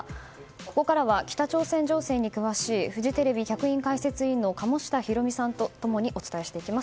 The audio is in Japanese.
ここからは、北朝鮮情勢に詳しいフジテレビ客員解説委員の鴨下ひろみさんと共にお伝えしていきます。